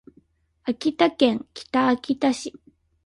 秋田県北秋田市